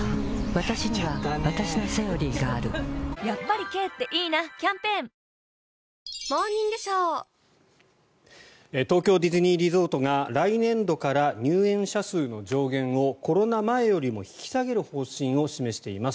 わたしにはわたしの「セオリー」があるやっぱり軽っていいなキャンペーン東京ディズニーリゾートが来年度から入園者数の上限をコロナ前よりも引き下げる方針を示しています。